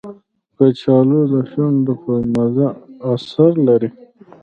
کچالو د شونډو پر مزه اثر لري